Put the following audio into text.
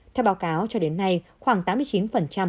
theo báo cáo cho đến nay khoảng tám mươi chín các ca nhiễm omicron